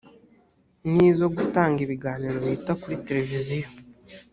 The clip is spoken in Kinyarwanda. n’izo gutanga ibiganiro bihita kuri televiziyo